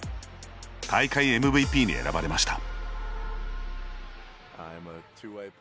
大会ＭＶＰに選ばれました。